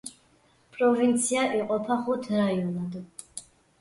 პროვინცია იყოფა ხუთ რაიონად.